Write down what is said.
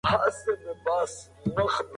هغه د خپل وخت تر ټولو ګټه کوونکې وه.